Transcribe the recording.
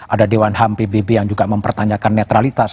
ada dewan ham pbb yang juga mempertanyakan netralitas